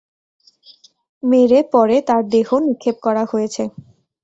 মেরে পরে তার দেহ নিক্ষেপ করা হয়েছে।